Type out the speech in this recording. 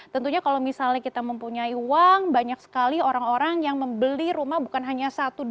tentunya kalau misalnya kita mempunyai uang banyak sekali orang orang yang membeli rumah bukan hanya satu dua